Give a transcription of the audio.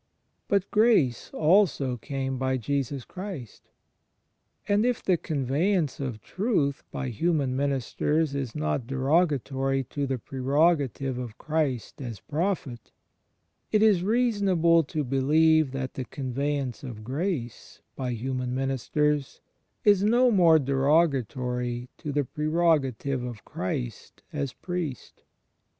But "Grace" also "came by Jesus Christ."^ And if the conveyance of Truth by human ministers is not derogatory to the prerogative of Christ as Prophet, it is reasonable to believe that the conveyance of Grace by human ministers is no more derogatory to the prerogative of Christ as Priest.